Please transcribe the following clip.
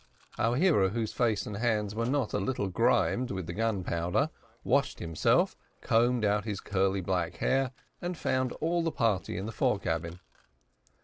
Our hero, whose face and hands were not a little grimed with the gunpowder, washed himself, combed out his curly black hair, and found all the party in the fore cabin.